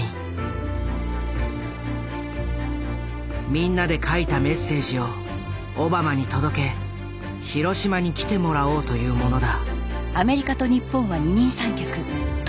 みんなで書いたメッセージをオバマに届け広島に来てもらおうというものだ。